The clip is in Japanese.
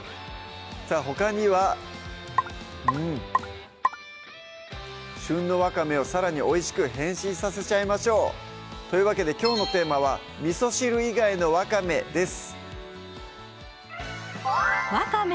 さぁほかにはうん旬のわかめをさらにおいしく変身させちゃいましょうというわけできょうのテーマは「味汁以外のわかめ」です